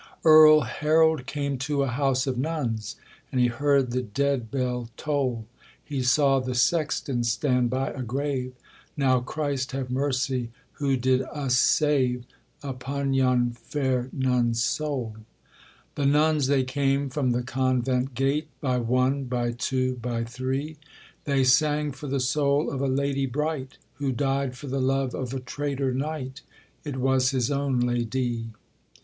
Earl Harold came to a house of nuns, And he heard the dead bell toll; He saw the sexton stand by a grave; 'Now Christ have mercy, who did us save, Upon yon fair nun's soul.' The nuns they came from the convent gate By one, by two, by three; They sang for the soul of a lady bright Who died for the love of a traitor knight: It was his own lady.